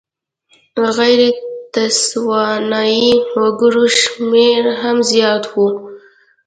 غیر تسوانایي وګړو شمېر هم زیات و.